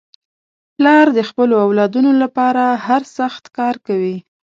پلار د خپلو اولادنو لپاره هر سخت کار کوي.